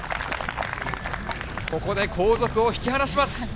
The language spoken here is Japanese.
ここで後続を引き離します。